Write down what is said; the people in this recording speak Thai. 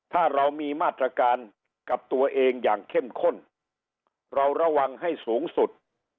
ถ้าเรามีมาตรการกับตัวเองอย่างเข้มข้นเราระวังให้สูงสุด